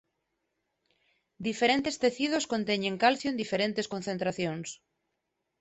Diferentes tecidos conteñen calcio en diferentes concentracións.